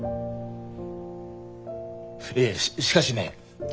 いえしかしね